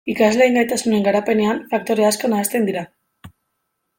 Ikasleen gaitasunen garapenean faktore asko nahasten dira.